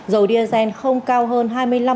dầu diesel không cao hơn